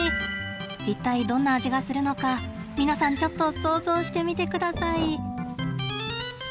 一体どんな味がするのか皆さんちょっと想像してみてください。